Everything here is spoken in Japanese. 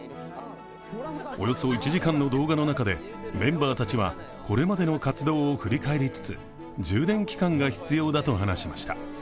およそ１時間の動画の中でメンバーたちはこれまでの活動を振り返りつつ、充電期間が必要だと話しました。